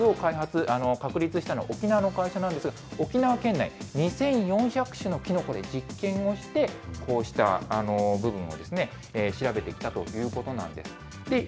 この技術を確立したのは沖縄の会社なんですが、沖縄県内２４００種のキノコで実験をして、こうした部分をですね、調べてきたということなんです。